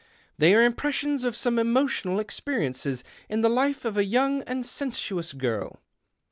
They are impressions of some emotional experiences in the life of a young and sensuous girl.